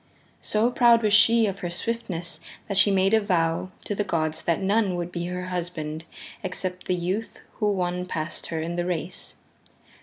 So proud was she of her swiftness that she made a vow to the gods that none would be her husband except the youth who won past her in the race.